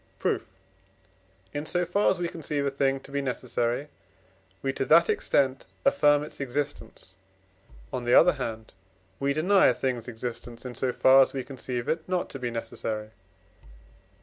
Proof. In so far as we conceive a thing to be necessary, we, to that extent, affirm its existence; on the other hand we deny a thing's existence, in so far as we conceive it not to be necessary (I.